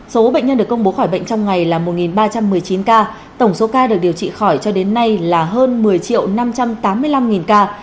số bệnh nhân được công bố khỏi bệnh trong ngày là một ba trăm một mươi chín ca tổng số ca được điều trị khỏi cho đến nay là hơn một mươi năm trăm tám mươi năm ca